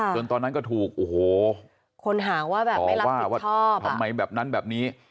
จนตอนนั้นก็ถูกโอ้โหตอบว่าทำไมแบบนั้นแบบนี้